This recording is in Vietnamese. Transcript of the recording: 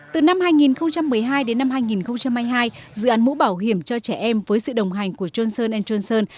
từ năm hai nghìn một mươi hai đến năm hai nghìn hai mươi hai dự án mũ bảo hiểm cho trẻ em với sự đồng hành của johnson johnson